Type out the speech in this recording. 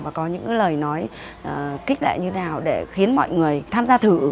và có những lời nói kích lại như thế nào để khiến mọi người tham gia thử